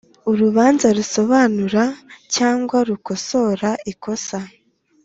Urubanza rusobanura cyangwa rukosora ikosa